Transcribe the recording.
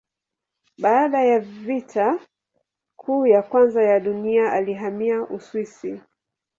Baada ya Vita Kuu ya Kwanza ya Dunia alihamia Uswisi.